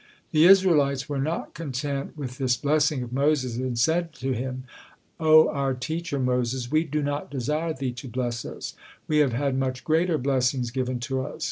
The Israelites were not content with this blessing of Moses, and said to him: "O our teacher Moses, we do not desire thee to bless us, we have had much greater blessings given to us.